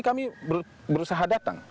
kami berusaha datang